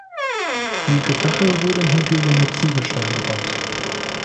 Die Gefache wurden hingegen mit Ziegelstein erbaut.